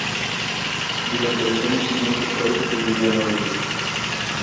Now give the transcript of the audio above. Durante los años siguientes parece que vivió en Londres.